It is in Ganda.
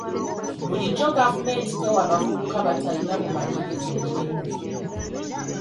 Bulijjo gavumenti tewa bavubuka batalina bumanyirivu mirimu.